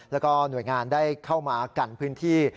แล้วก็หน่วยงานได้เข้ามากันพื้นที่